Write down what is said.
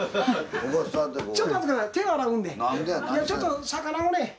ちょっと魚をね